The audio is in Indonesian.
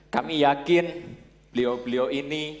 kami yakin beliau beliau ini